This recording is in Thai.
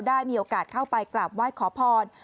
ได้มีโอกาสเข้าไปกราบไหว้ขอพร